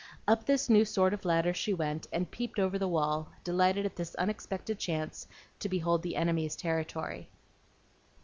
Up this new sort of ladder she went, and peeped over the wall, delighted at this unexpected chance to behold the enemy's territory.